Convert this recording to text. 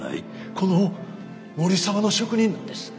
この森澤の職人なんです。